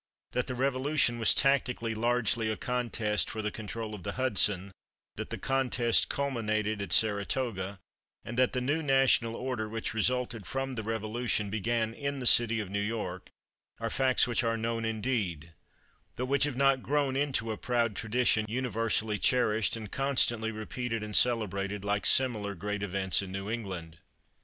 That the Revolution was tactically largely a contest for the control of the Hudson, that the contest culminated at Saratoga, and that the new national order which resulted from the Revolution began in the city of New York, are facts which are known, indeed, but which have not grown into a proud tradition universally cherished and constantly repeated and celebrated like similar great events in New England.